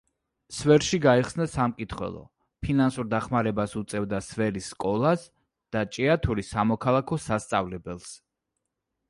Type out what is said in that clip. სვერში გაიხსნა სამკითხველო, ფინანსურ დახმარებას უწევდა სვერის სკოლას და ჭიათურის სამოქალაქო სასწავლებელს.